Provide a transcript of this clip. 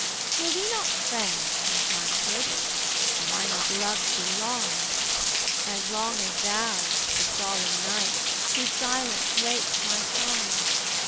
"Were we not friends from childhood? Have I not loved thee long? As long as thou, the solemn night, Whose silence wakes my song.